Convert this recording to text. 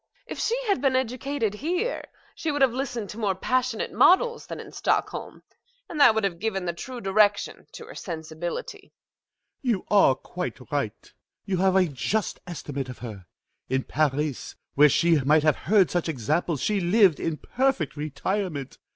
If she had been educated here, she would have listened to more passionate models than in Stockholm, and that would have given the true direction to her sensibility. MR. FORTE. You are quite right; you have a just estimate of her. In Paris, where she might have heard such examples, she lived in perfect retirement.